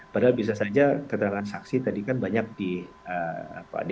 padahal bisa saja keterangan saksi tadi kan banyak di